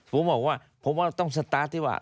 สมมุมว่าว่าพลมรู้ว่าต้องสตาร์ทว่า